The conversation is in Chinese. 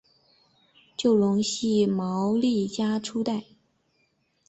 就隆系毛利家初代。